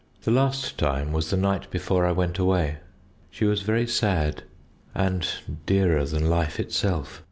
The last time was the night before I went away. She was very sad, and dearer than life itself.